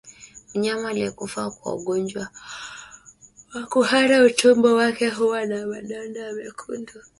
Mnyama aliyekufa kwa ugonjwa wa kuhara utumbo wake huwa na madonda mekundu